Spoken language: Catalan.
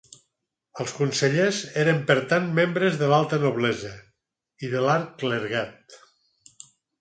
Els consellers eren, per tant, membres de l'alta noblesa i de l'alt clergat.